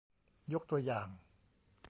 ยกตัวอย่าง